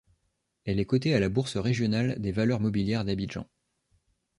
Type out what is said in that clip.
Elle est cotée à la bourse régionale des valeurs mobilières d'Abidjan.